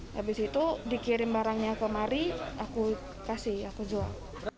habis itu dikirim barangnya kemari aku kasih aku jual